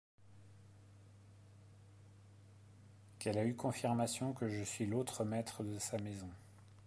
Qu’elle a eu confirmation que je suis l’autre maître de sa maison.